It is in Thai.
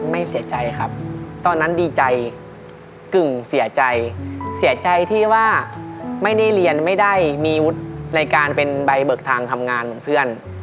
ไม่เสียใจครับตอนนั้นดีใจกึ่งเสียใจเสียใจที่ว่าไม่ได้เรียนไม่ได้มีวุฒิในการเป็นใบเบิกทางทำงานเหมือนเพื่อน